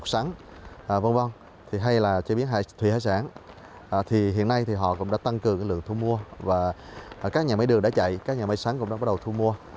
các nhà máy đường đã chạy các nhà máy sáng cũng đã bắt đầu thu mua